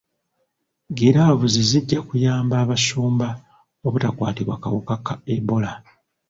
Giraavuzi zijja kuyamba abasumba obutakwatibwa kawuka ka Ebola.